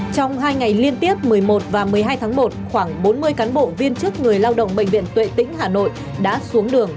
trong hai ngày liên tiếp một mươi một và một mươi hai tháng một khoảng bốn mươi cán bộ viên chức người lao động bệnh viện tuệ tĩnh hà nội đã xuống đường